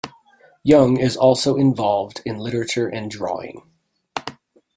Yeung is also involved in literature and drawing.